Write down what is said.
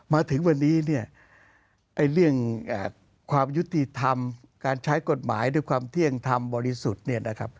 มาถึงวันนี้ในเรื่องความยุติธรรมการใช้กฎหมายด้วยความเที่ยงธรรมบริสุทธิ์